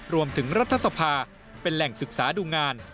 รัฐสภาเป็นแหล่งศึกษาดูงาน